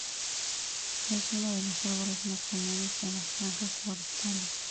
Es uno de los árboles más comunes en las franjas forestales.